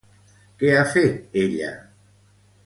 Què ha fet ella?